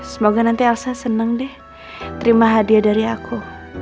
semoga nanti elsa senang deh terima hadiah dari aku